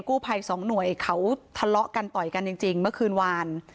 กู้ภัยสองหน่วยเขาทะเลาะกันต่อยกันจริงเมื่อคืนวาน